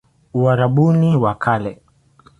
Uarabuni wa Kale